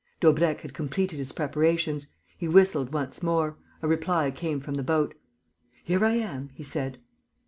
Daubrecq had completed his preparations. He whistled once more. A reply came from the boat. "Here I am," he said.